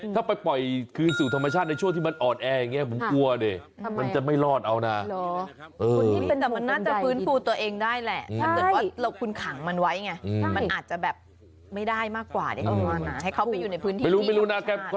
ถ้าเกิดว่าเราคุ้นขังมันไหวเนี่ยมันอาจจะแบบไม่ได้มากกว่าเร๊ย์